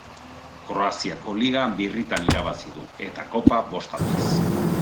Kroaziako Liga birritan irabazi du eta Kopa bost aldiz.